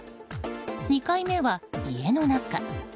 ２回目は、家の中。